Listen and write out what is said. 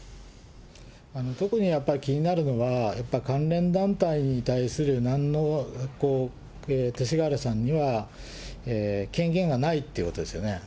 特にやっぱり気になるのは、関連団体に対する、なんの勅使河原さんには権限がないということですよね。